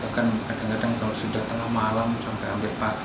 bahkan kadang kadang kalau sudah tengah malam sampai hampir pagi